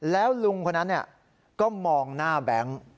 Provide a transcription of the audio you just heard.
แล้วลุงคนนั้นก็มองหน้าแบงค์